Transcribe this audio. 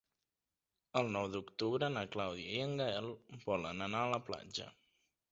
El nou d'octubre na Clàudia i en Gaël volen anar a la platja.